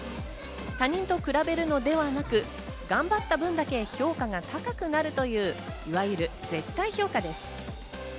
他人と比べるのではなく、頑張った分だけ評価が高くなるといういわゆる、絶対評価です。